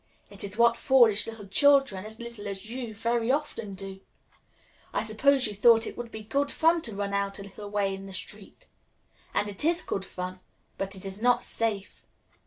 It is what foolish little children, as little as you, very often do. I suppose you thought it would be good fun to run out a little way in the street. And it is good fun; but it is not safe.